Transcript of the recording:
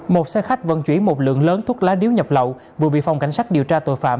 một xe khách vận chuyển một lượng lớn thuốc lá điếu nhập lậu vừa bị phòng cảnh sát điều tra tội phạm